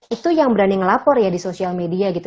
itu yang berani ngelapor ya di sosial media gitu